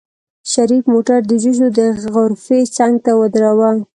شريف موټر د جوسو د غرفې څنګ ته ودروه.